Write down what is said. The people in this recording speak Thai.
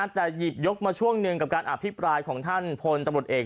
แต่หยิบยกมาช่วงหนึ่งกับการอภิปรายของท่านพลตำรวจเอก